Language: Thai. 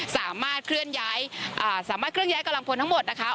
สามารถเคลื่อนย้ายกำลังพลทั้งหมดนะคะ